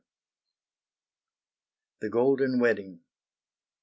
THE GOLDEN WEDDING.